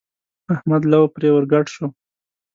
احمد لو پرې ور ګډ شو.